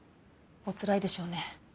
おつらいでしょうね。